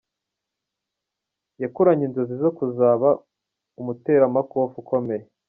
Yakuranye inzozi zo kuzaba umuteramakofe ukomeye.